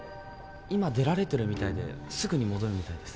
今出られてるみたいですぐに戻るみたいです。